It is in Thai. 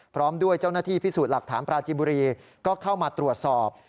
พร้อมด้วยเจ้าหน้าที่พิสูจน์หลักฐานปราจิบุรีก็เข้ามาตรวจสอบ